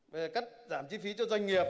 về các giảm chi phí cho doanh nghiệp